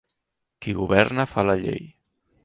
Qui governa fa la llei.